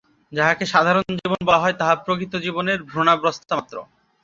যাহাকে সাধারণত জীবন বলা হয়, তাহা প্রকৃত জীবনের ভ্রূণাবস্থা মাত্র।